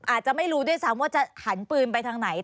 อาจจะไม่รู้ด้วยซ้ำว่าจะหันปืนไปทางไหน